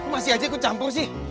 masih aja ikut campur sih